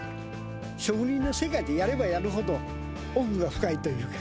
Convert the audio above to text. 職人の世界って、やればやるほど、奥が深いというか。